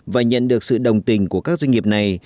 và nhận được sự đồng tình của các doanh nghiệp này